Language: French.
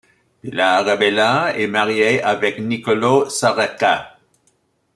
Pilar Abella est mariée avec Niccolò Saraca.